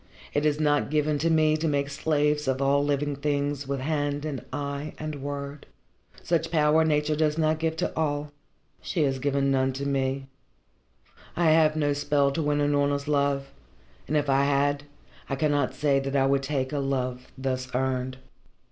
"It is not given to me to make slaves of all living things with hand and eye and word. Such power Nature does not give to all, she has given none to me. I have no spell to win Unorna's love and if I had, I cannot say that I would take a love thus earned."